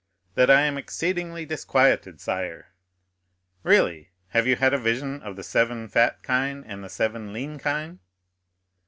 "That I am exceedingly disquieted, sire." "Really, have you had a vision of the seven fat kine and the seven lean kine?"